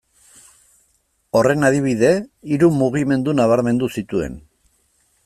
Horren adibide, hiru mugimendu nabarmendu zituen.